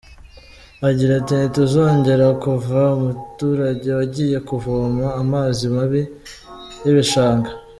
Agira ati “Ntituzongere kuva umuturage wagiye kuvoma amazi mabi y’ibishanga.”